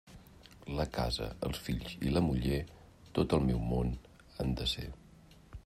La casa, els fills i la muller, tot el meu món han de ser.